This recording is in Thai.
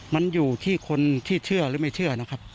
มันอยู่ที่คนที่เชื่อหรือไม่เชื่อนะครับ